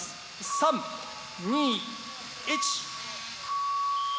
３２１。